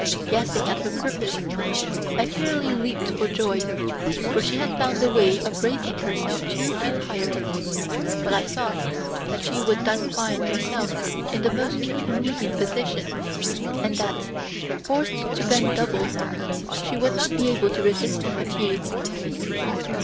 Guessing at her purpose, I fairly leaped for joy, for she had found the way of raising herself two feet higher; but I thought that she would then find herself in the most inconvenient position, and that, forced to bend double, she would not be able to resist the fatigue.